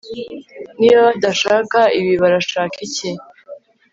Niba badashaka ibi barashaka iki